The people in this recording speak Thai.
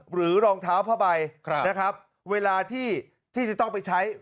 หรือลองเท้าเข้าไปเวลาที่จะต้องไปใช้